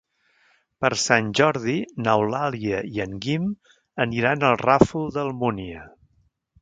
Per Sant Jordi n'Eulàlia i en Guim aniran al Ràfol d'Almúnia.